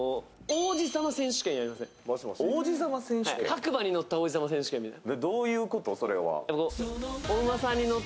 白馬に乗った王子様選手権みたいな。